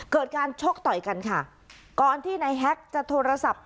เกิดการชกต่อยกันค่ะก่อนที่นายแฮ็กจะโทรศัพท์